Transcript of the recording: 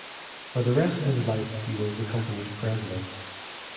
For the rest of his life he was the company's president.